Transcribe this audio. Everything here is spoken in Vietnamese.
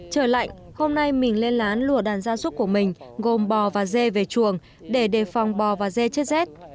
trời lạnh hôm nay mình lên lán lùa đàn gia súc của mình gồm bò và dê về chuồng để đề phòng bò và dê chết rét